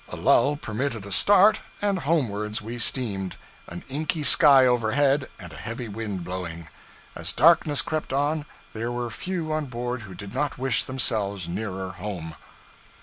A lull permitted a start, and homewards we steamed, an inky sky overhead and a heavy wind blowing. As darkness crept on, there were few on board who did not wish themselves nearer home.'